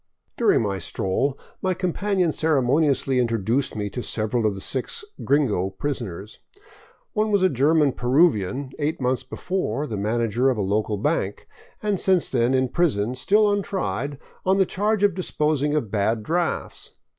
During my stroll my companion ceremoniously introduced me to several of the six *' gringo " prisoners. One was a German Peruvian, eight months before the manager of a local bank, and since then in prison, still untried, on the charge of disposing of bad drafts.